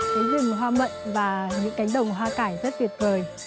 cái rừng hoa mận và những cánh đồng hoa cải rất tuyệt vời